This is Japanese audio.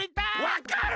わかる！